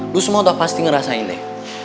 lu semua udah pasti ngerasain deh